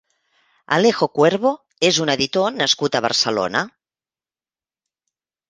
Alejo Cuervo és un editor nascut a Barcelona.